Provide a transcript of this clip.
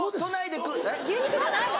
牛肉じゃないの？